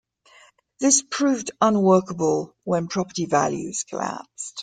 This proved unworkable when property values collapsed.